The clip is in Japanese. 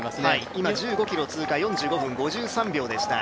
今１５ｋｍ通過４６分４３秒でした。